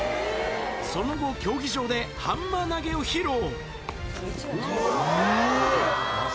その後、競技場でハンマー投げを披露。